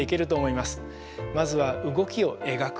まずは動きを描く。